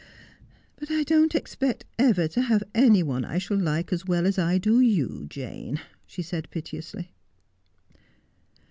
' But I don't expect ever to have any one I shall like as well as I do you, Jane,' she said piteously.